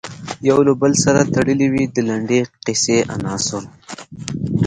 یو له بل سره تړلې وي د لنډې کیسې عناصر.